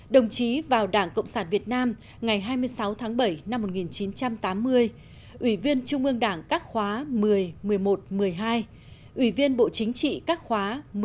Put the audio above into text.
đồng chí vào đảng cộng sản việt nam ngày hai mươi sáu tháng bảy năm một nghìn chín trăm tám mươi ủy viên trung ương đảng các khóa một mươi một mươi một một mươi hai ủy viên bộ chính trị các khóa một mươi một